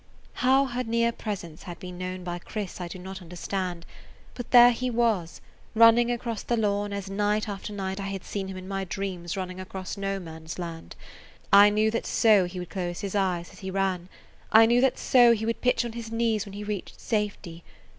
How her near presence had been known by Chris I do not understand, but there he was, running across the lawn as night after night I had seen him in my dreams running across No Man's Land. I knew that so he would close his eyes as he ran; I knew that so he would pitch on his knees when he reached safety.